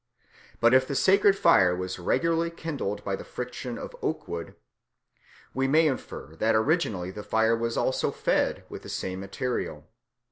But if the sacred fire was regularly kindled by the friction of oak wood, we may infer that originally the fire was also fed with the same material.